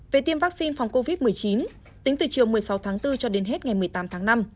về tiêm vaccine phòng covid một mươi chín tính từ chiều một mươi sáu tháng bốn cho đến hết ngày một mươi tám tháng năm